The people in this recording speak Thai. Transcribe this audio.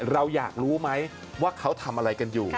เราอยากรู้ไหมว่าเขาทำอะไรกันอยู่